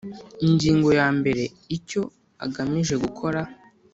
Ingingo ya mbere Icyo agamije gukora